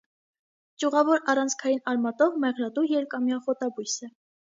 Ճյուղավոր առանցքային արմատով, մեղրատու երկամյա խոտաբույս է։